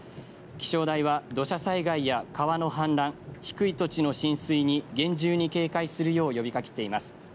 気象台は土砂災害や川の氾濫低い土地の浸水に厳重に警戒するよう呼びかけています。